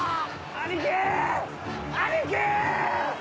兄貴！